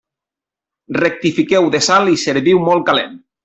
Rectifiqueu de sal i serviu molt calent.